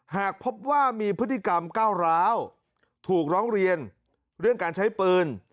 หากพบว่ามีพฤติกรรมก้าวร้าวถูกร้องเรียนเรื่องการใช้ปืน